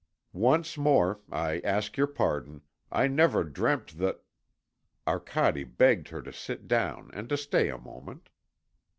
"Once more I ask your pardon.... I never dreamt that...." Arcade begged her to sit down and to stay a moment.